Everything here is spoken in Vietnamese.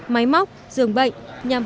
máy móc giường bệnh nhằm